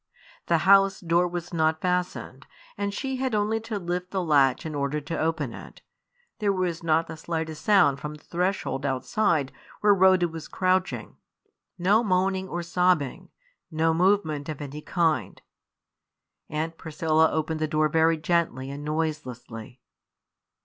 The house door was not fastened, and she had only to lift the latch in order to open it. There was not the slightest sound from the threshold outside where Rhoda was crouching; no moaning or sobbing, no movement of any kind. Aunt Priscilla opened the door very gently and noiselessly.